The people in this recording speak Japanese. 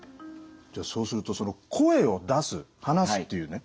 じゃあそうすると声を出す話すっていうね